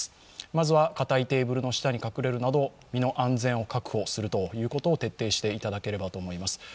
まずはかたいテーブルの下に隠れるなど身の安全を確保することを徹底していただければと思います。